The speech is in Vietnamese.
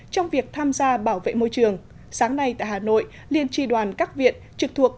trong việc tham gia bảo vệ môi trường sáng nay tại hà nội liên tri đoàn các viện trực thuộc